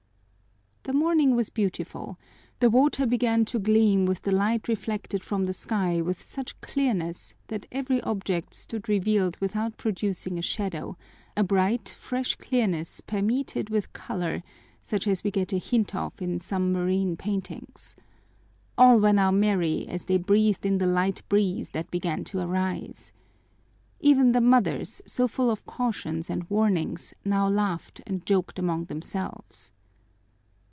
The morning was beautiful. The water began to gleam with the light reflected from the sky with such clearness that every object stood revealed without producing a shadow, a bright, fresh clearness permeated with color, such as we get a hint of in some marine paintings. All were now merry as they breathed in the light breeze that began to arise. Even the mothers, so full of cautions and warnings, now laughed and joked among themselves.